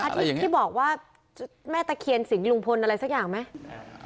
ที่บอกว่าแม่ตะเคียนสิงลุงพลอะไรสักอย่างไหม